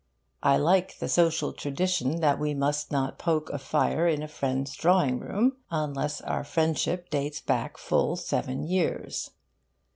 I like the social tradition that we must not poke a fire in a friend's drawing room unless our friendship dates back full seven years.